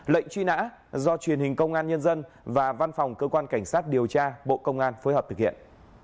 lệnh truy nã do truyền hình công an nhân dân và văn phòng cơ quan cảnh sát điều tra bộ công an phối hợp thực hiện